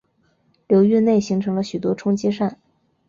流域内形成了许多冲积扇。